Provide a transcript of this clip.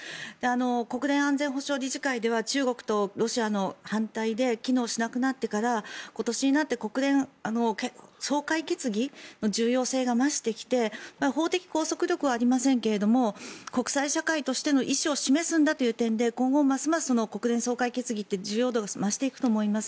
国連安全保障理事会では中国とロシアの反対で機能しなくなってから今年になってから総会決議の重要性が増してきて法的拘束力はありませんけども国際社会としての意思を示すんだという点で今後、ますます国連総会決議って重要度を増していくと思います。